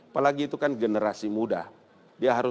apalagi itu kan generasi muda